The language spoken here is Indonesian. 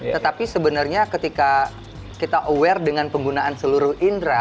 tetapi sebenarnya ketika kita aware dengan penggunaan seluruh indera